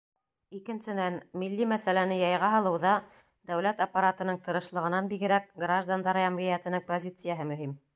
Икенсенән, милли мәсьәләне яйға һалыуҙа дәүләт аппаратының тырышлығынан бигерәк граждандар йәмғиәтенең позицияһы мөһим.